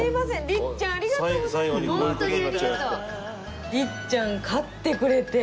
律ちゃん勝ってくれて。